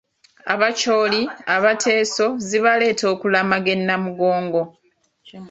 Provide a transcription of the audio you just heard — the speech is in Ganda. "Abacholi, Abateeso zibaleeta okulamaga e Namugongo."